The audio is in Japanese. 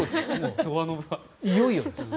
いよいよです。